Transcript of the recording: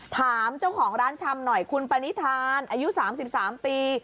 ถามเจ้าของร้านชำหน่อยคุณปณิธานอายุ๓๓ปี